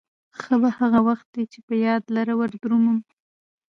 ښه به هغه وخت وي، چې به يار لره وردرومم